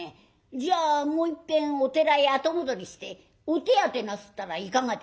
じゃあもういっぺんお寺へ後戻りしてお手当てなすったらいかがで？」。